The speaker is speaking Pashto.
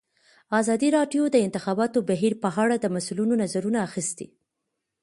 ازادي راډیو د د انتخاباتو بهیر په اړه د مسؤلینو نظرونه اخیستي.